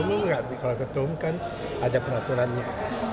kalau ketua bumu enggak diketuakan ada peraturan yang